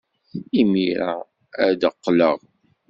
Imir-a ad d-qqleɣ.